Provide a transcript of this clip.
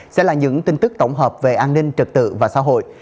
sẽ là những tin tức tổng hợp về an ninh trật tự và xã hội